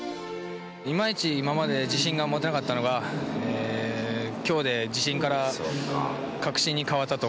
いまいち今まで自信が持てなかったのが今日で自信から確信に変わったと思います。